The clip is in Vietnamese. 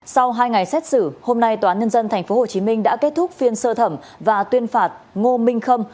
sau hai ngày xét xử hôm nay tòa án nhân dân tp hcm đã kết thúc phiên sơ thẩm và tuyên phạt ngô minh khâm